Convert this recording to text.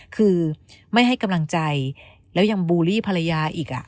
คือไม่ให้กำลังใจแล้วยังบูลลี่ภรรยาอีก